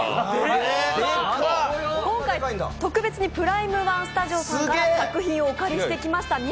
今回特別にプライム１スタジオさんから作品をお借りしてきました。